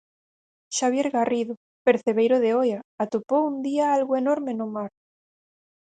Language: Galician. Xabier Garrido, percebeiro de Oia, atopou un día algo enorme no mar.